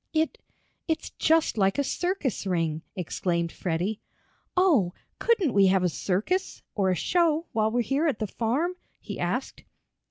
"It it's just like a circus ring!" exclaimed Freddie. "Oh, couldn't we have a circus, or a show, while we're here at the farm?" he asked.